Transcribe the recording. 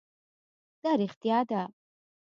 دا رښتیا ده